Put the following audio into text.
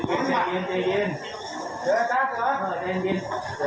เอาคนล้ายออกลง